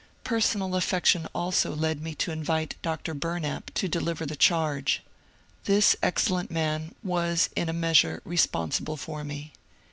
Personal affeotion also led me to invite Dr. Bumap to deliver the charge. This excellent man was in a measure responsible for me.